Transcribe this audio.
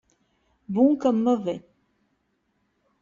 Bons comme mauvais.